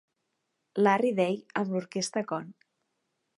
Larry Day amb l'orquestra Cond.